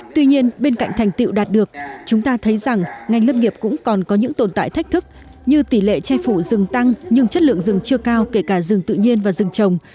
tuy nhiên bên cạnh thành tiệu đạt được chúng ta thấy rằng ngành lâm nghiệp cũng còn có những tồn tại thách thức như tỷ lệ che phủ rừng tăng nhưng chất lượng rừng chưa cao kể cả rừng tự nhiên và rừng trồng